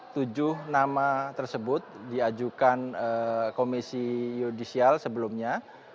tujuh nama tersebut diajukan komisi yudisial sebelumnya